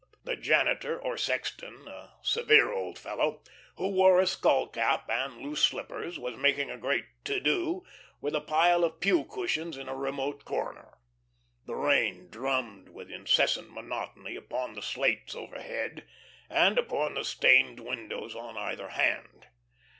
The janitor or sexton, a severe old fellow, who wore a skull cap and loose slippers, was making a great to do with a pile of pew cushions in a remote corner. The rain drummed with incessant monotony upon the slates overhead, and upon the stained windows on either hand.